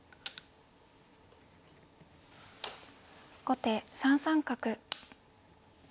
後手３三角。